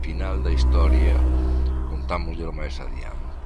O final da historia contámosllelo máis adiante.